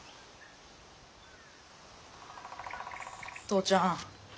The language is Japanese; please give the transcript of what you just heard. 父ちゃん